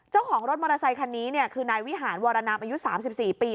เจ้าของรถมอเตอร์ไซคันนี้คือนายวิหารวรนามอายุ๓๔ปี